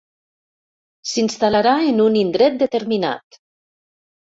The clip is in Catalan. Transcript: S'instal·larà en un indret determinat.